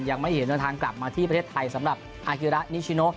ยังไม่เห็นเดินทางกลับมาที่ประเทศไทยสำหรับอากิระนิชิโน